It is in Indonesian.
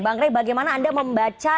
bang ray bagaimana anda membaca